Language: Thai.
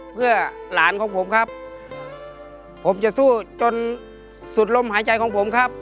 เพื่อหลานของผมครับผมจะสู้จนสุดลมหายใจของผมครับ